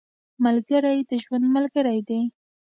ملګری د ژوند ملګری دی